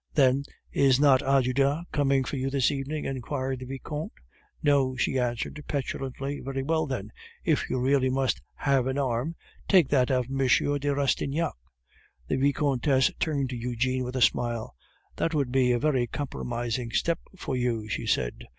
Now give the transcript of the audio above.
"Then, is not Ajuda coming for you this evening?" inquired the Vicomte. "No," she answered, petulantly. "Very well, then, if you really must have an arm, take that of M. de Rastignac." The Vicomtess turned to Eugene with a smile. "That would be a very compromising step for you," she said.